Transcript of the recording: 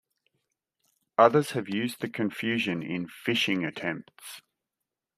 Others have used the confusion in phishing attempts.